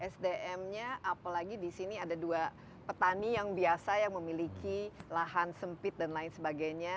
sdm nya apalagi di sini ada dua petani yang biasa yang memiliki lahan sempit dan lain sebagainya